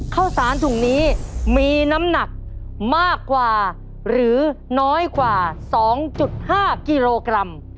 ข้าวสารถุงนี้มีน้ำหนักมากกว่าหรือน้อยกว่า๒๕กิโลกรัม